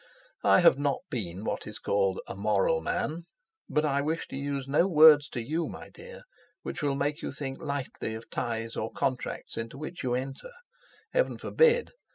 I have not been what is called a moral man, but I wish to use no words to you, my dear, which will make you think lightly of ties or contracts into which you enter. Heaven forbid!